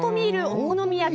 お好み焼